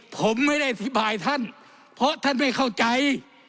ผมไม่ได้อธิบายท่านเพราะท่านไม่เข้าใจ